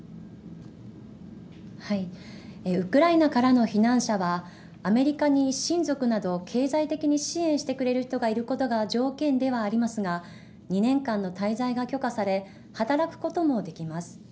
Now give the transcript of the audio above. ウクライナからの避難者はアメリカに親族など経済的に支援してくれる人がいることが条件ではありますが２年間の滞在が許可され働くこともできます。